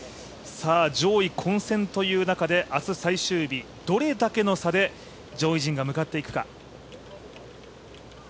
上位混戦という中で明日最終日、どれだけの差で上位陣が向かっていくか。